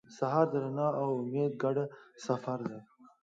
سهار د رڼا او امید ګډ سفر دی.